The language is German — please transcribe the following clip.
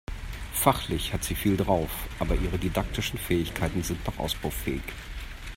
Fachlich hat sie viel drauf, aber ihre Didaktischen Fähigkeiten sind noch ausbaufähig.